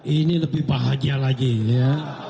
ini lebih bahagia lagi ya